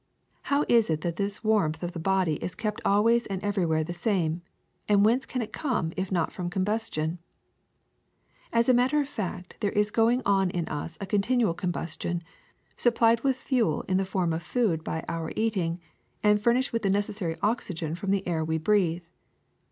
''How is it that this warmth of the body is kept always and everywhere the same ; and whence can it come if not from combustion? As a matter of fact there is going on in us a continual combustion, sup plied with fuel in the form of food by our eating, and furnished with the necessary oxygen from the air we breathe.